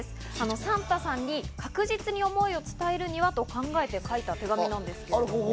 サンタさんに確実に思いを伝えるには？と考えて書いた手紙なんです。